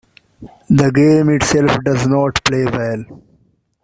The game itself does not play well.